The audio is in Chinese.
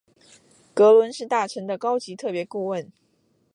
格伦是大臣的高级特别顾问。